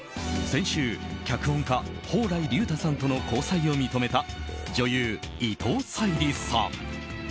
先週脚本家・蓬莱竜太さんとの交際を認めた女優・伊藤沙莉さん。